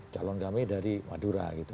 calon kami dari madura gitu